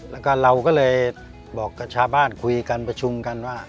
แล้วก็เราก็เลยบอกกับชาวบ้านคุยกันประชุมกันว่า